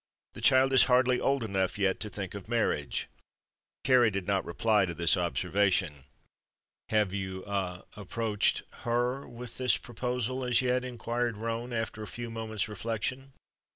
"The child is hardly old enough yet to think of marriage." Kāra did not reply to this observation. "Have you ah approached her with this proposal as yet?" inquired Roane, after a few moments' reflection.